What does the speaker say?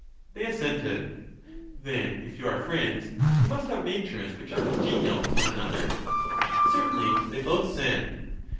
They assented. Then if you are friends, you must have natures which are congenial to one another? A^ 78 LYSIS Certainly, they both said.